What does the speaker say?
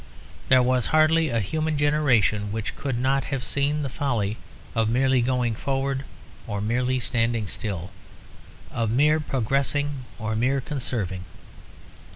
There was hardly a human generation which could not have seen the folly of merely going forward or merely standing still; of mere progressing or mere conserving.